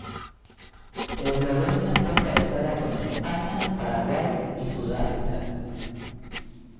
Eslovenia fue emparejada con España, Paraguay y Sudáfrica.